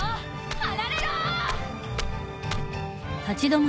離れろ！